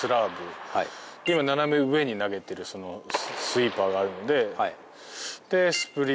あと、斜め上に投げているスイーパーがあるので。